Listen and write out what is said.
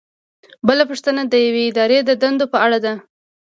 بله پوښتنه د یوې ادارې د دندو په اړه ده.